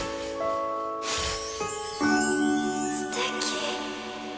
すてき！